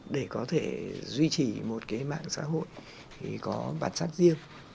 để có thể duy trì một mạng xã hội có bản sắc riêng